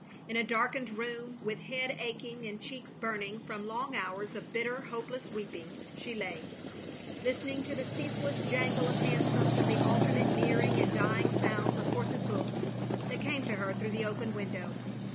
In a darkened room, with head aching and cheeks burning from long hours of bitter, hopeless weeping — she lay; listening to the ceaseless jangle of hansoms, and the alternate nearing and djong sounds of horses' hoofs, that came to her through the open window.